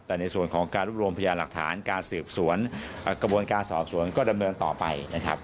แต่ในส่วนของการรวบรวมพยานหลักฐานการสืบสวนกระบวนการสอบสวนก็ดำเนินต่อไปนะครับ